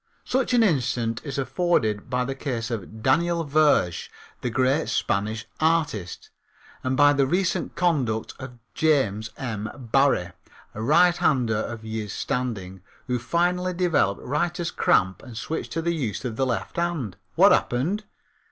Such an instance is afforded by the case of Daniel Vierge, the great Spanish artist, and by the recent conduct of James M. Barrie, a righthander of years standing, who finally developed writer's cramp and switched to the use of the left hand. What happened?